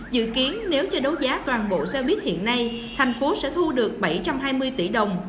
dự kiến nếu cho đấu giá toàn bộ xe buýt hiện nay thành phố sẽ thu được bảy trăm hai mươi tỷ đồng